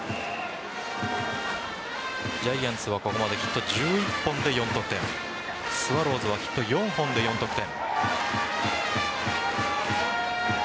ジャイアンツはここまでヒット１１本で４得点スワローズはヒット４本で４得点。